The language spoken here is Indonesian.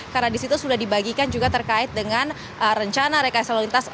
karena di situ sudah dibagikan juga terkait dengan rencana rekaya salur lintas